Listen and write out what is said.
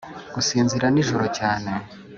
gusinzira nijoro cyane,